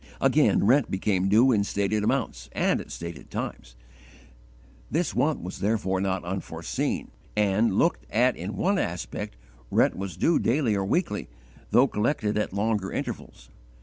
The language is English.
Again, rent became due in stated amounts and at stated times. This want was therefore not unforeseen, and, looked at in one aspect, rent was due daily or weekly, though collected at longer intervals.